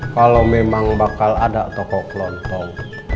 kalau memang bakal ada tokoh klontong